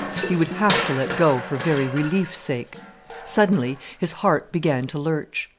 He would have to let go for very relief's sake. Suddenly his heart began to lurch.